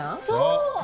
そう！